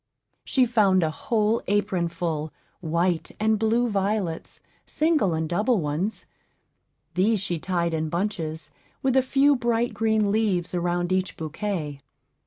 She found a whole apron full, white and blue violets, single and double ones; these she tied in bunches, with a few bright green leaves around each bouquet.